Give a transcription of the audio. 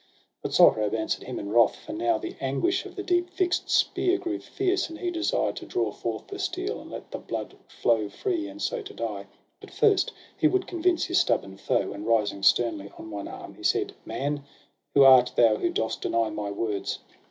But Sohrab answer'd him in wrath; for now The anguish of the deep fix'd spear grew fierce, And he desired to draw forth the steel, And let the blood flow free, and so to die; But first he would convince his stubborn foe. And, rising sternly on one arm, he said :— 'Man, who art thou who dost deny my words?